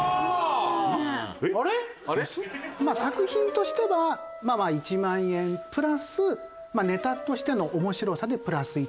あれっ？作品としては１万円プラスネタとしての面白さでプラス１万円。